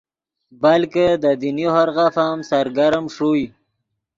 بلکہ دے دینی ہورغف ام سرگرم ݰوئے